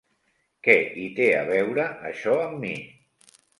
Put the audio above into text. Què hi té a veure això amb mi?